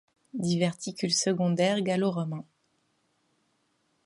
Diverticule secondaire gallo-romain.